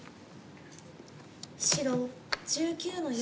白１９の四。